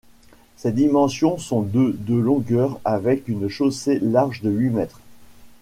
Ses dimensions sont de de longueur avec une chaussée large de huit mètres.